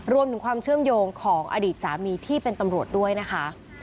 รวมถึงความเชื่อมโยงของอดีตสามีที่เป็นตำรวจด้วยนะคะ